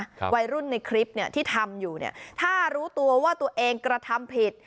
วัยรุ่นในคลิปเนี้ยที่ทำอยู่เนี่ยถ้ารู้ตัวว่าตัวเองกระทำผิด